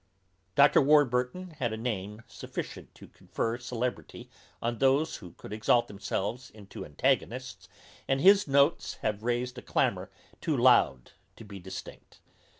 _ Dr. Warburton had a name sufficient to confer celebrity on those who could exalt themselves into antagonists, and his notes have raised a clamour too loud to be distinct.